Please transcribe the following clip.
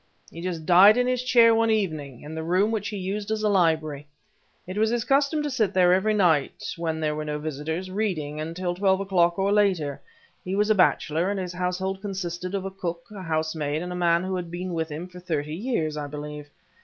"He just died in his chair one evening, in the room which he used as a library. It was his custom to sit there every night, when there were no visitors, reading, until twelve o'clock or later. He was a bachelor, and his household consisted of a cook, a housemaid, and a man who had been with him for thirty years, I believe.